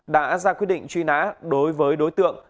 đã ra quyết định truy nã đối với đối tượng